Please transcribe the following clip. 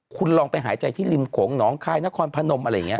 คุณลองไปหายใจที่ริมโขงหนองคายนครพนมอะไรอย่างนี้